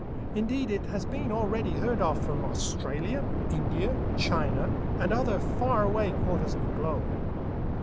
Indeed, it has been already heard of from Australia, India, China, and other far away quarters of the globe.